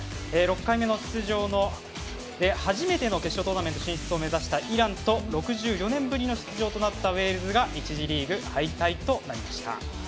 ６回目の出場の初めての決勝トーナメント進出を目指したイランと６４年ぶりの出場となったウェールズが１次リーグ敗退となりました。